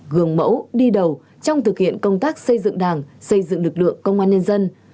gương mẫu đi đầu trong thực hiện công tác xây dựng đảng xây dựng lực lượng công an nhân dân